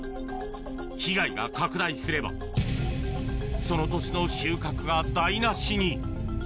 被害が拡大すれば、その年の収穫が台なしに。